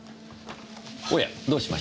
おやどうしました？